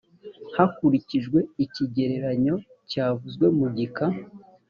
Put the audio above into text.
hakurikijwe ikigereranyo cyavuzwe mu gika